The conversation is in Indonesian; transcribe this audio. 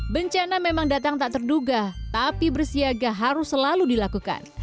bencana memang datang tak terduga tapi bersiaga harus selalu dilakukan